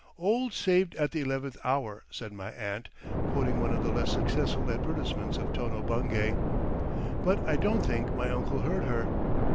"Old saved at the eleventh hour," said my aunt, quoting one of the less successful advertisements of Tono Bungay. But I don't think my uncle heard her.